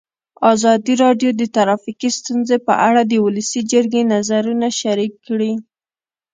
ازادي راډیو د ټرافیکي ستونزې په اړه د ولسي جرګې نظرونه شریک کړي.